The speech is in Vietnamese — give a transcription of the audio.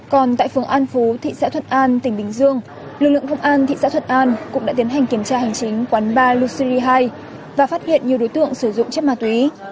còn tại phường an phú thị xã thuận an tỉnh bình dương lực lượng công an thị xã thuận an cũng đã tiến hành kiểm tra hành chính quán bar luxury hai và phát hiện nhiều đối tượng sử dụng chất ma túy